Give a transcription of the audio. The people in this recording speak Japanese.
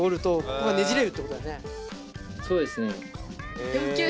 そうですね。